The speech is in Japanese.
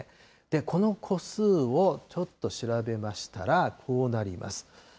この個数をちょっと調べましたら、こうなります。